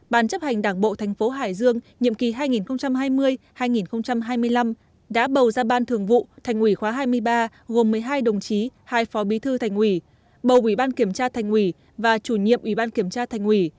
ban chấp hành đảng bộ thành phố hải dương nhiệm kỳ hai nghìn hai mươi hai nghìn hai mươi năm đã bầu ra ban thường vụ thành ủy khóa hai mươi ba gồm một mươi hai đồng chí hai phó bí thư thành ủy bầu ủy ban kiểm tra thành ủy và chủ nhiệm ủy ban kiểm tra thành ủy